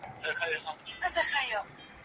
کندهار که ننګرهار که پېښور دی